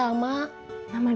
eh bagaimana sekarang